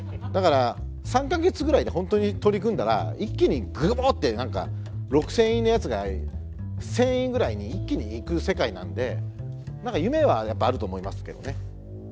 だから３か月ぐらいで本当に取り組んだら一気にぐぼって何か６，０００位のやつが１，０００位ぐらいに一気に行く世界なんで何か夢はやっぱあると思いますけどね。